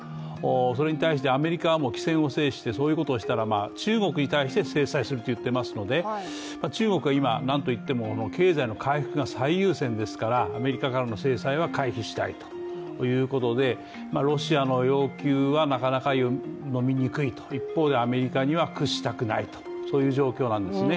それに対してアメリカはもう機先を制して、そういうことをしたら中国に対して制裁すると言ってますので中国は今、なんといっても経済の回復が最優先ですから、アメリカからの制裁は回避したいということで、ロシアの要求はなかなかのみにくいと、一方でアメリカには屈したくないとそういう状況なんですね。